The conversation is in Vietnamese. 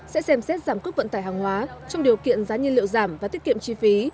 sẽ xem xét giảm cước vận tải hàng hóa trong điều kiện giá nhiên liệu giảm và tiết kiệm chi phí